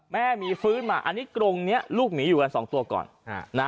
หมีฟื้นมาอันนี้กรงนี้ลูกหมีอยู่กัน๒ตัวก่อน